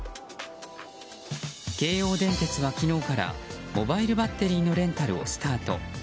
京王電鉄は昨日からモバイルバッテリーのレンタルをスタート。